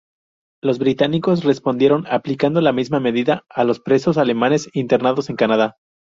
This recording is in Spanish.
Los británicos respondieron aplicando la misma medida a los presos alemanes internados en Canadá.